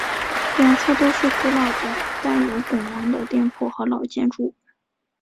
两侧都是古老的带有拱廊的店铺和老建筑。